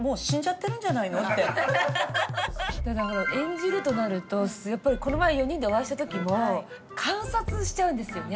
演じるとなるとやっぱりこの前４人でお会いした時も観察しちゃうんですよね。